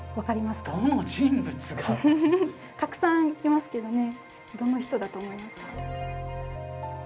たくさんいますけどねどの人だと思いますか？